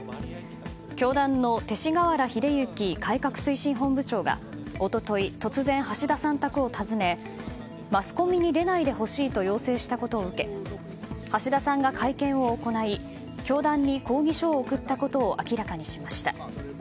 教団の勅使河原秀行改革推進本部長が一昨日、突然、橋田さん宅を訪れマスコミに出ないでほしいと要請したことを受け橋田さんが会見を行い教団に抗議書を送ったことを明らかにしました。